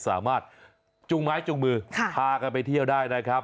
จูงไม้จูงมือพากันไปเที่ยวได้นะครับ